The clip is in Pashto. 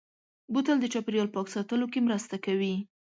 بوتل د چاپېریال پاک ساتلو کې مرسته کوي.